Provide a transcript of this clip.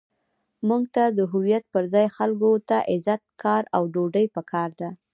موږ ته د هویت پر ځای خلکو ته عزت، کار، او ډوډۍ پکار ده.